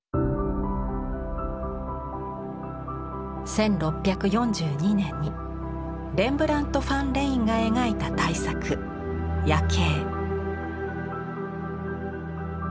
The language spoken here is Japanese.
１６４２年にレンブラント・ファン・レインが描いた大作「夜警」。